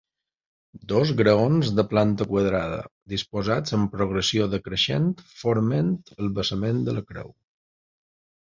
Dos graons de planta quadrada disposats en progressió decreixent forment el basament de la creu.